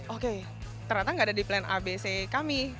oke ternyata tidak ada di plan a b c kami